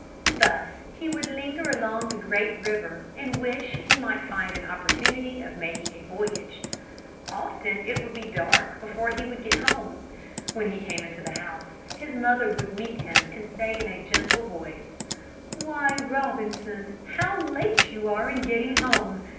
Thus he would linger along the great river and wish he might find an opportunity of making a voyage. Often it would be dark before he would get home. When he came into the house his mother would meet him and say in a gentle voice, "Why, Robinson, how late you are in getting home!